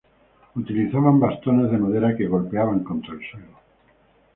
Utilizaban bastones de madera que golpeaban contra el suelo.